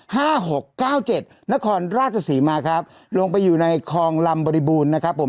หกเก้าเจ็ดนครราชสีมาครับลงไปอยู่ในคลองลำบริบูรณ์นะครับผม